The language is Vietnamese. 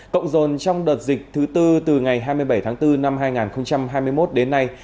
cộng dồn trong đợt dịch thứ tư từ ngày hai mươi bảy tháng bốn năm hai nghìn hai mươi một đến nay